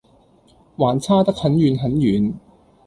還差得很遠很遠。